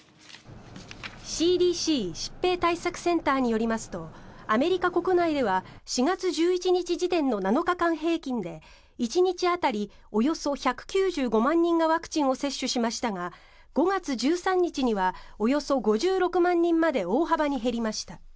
ＣＤＣ・疾病対策センターによりますとアメリカ国内では４月１１日時点の７日間平均で１日当たり、およそ１９５万人がワクチンを接種しましたが５月１３日にはおよそ５６万人まで大幅に減りました。